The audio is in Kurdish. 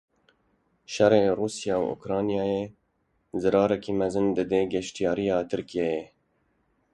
Şerê Rûsya û Ukraynayê zerareke mezin dide geştyariya Tirkiyeyê.